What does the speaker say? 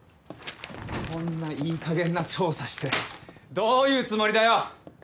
こんないいかげんな調査してどういうつもりだよ！